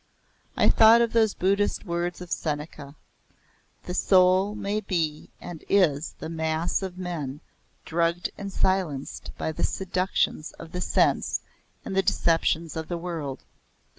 I thought of those Buddhist words of Seneca "The soul may be and is in the mass of men drugged and silenced by the seductions of sense and the deceptions of the world.